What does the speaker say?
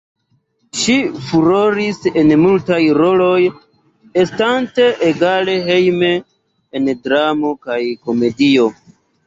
Ŝi furoris en multaj roloj, estante egale hejme en dramo kaj komedio.